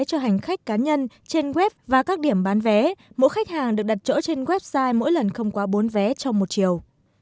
cho hành khách cá nhân trên web và các điểm bán vé mỗi khách hàng được đặt chỗ trên website mỗi lần không quá bốn vé trong một chiều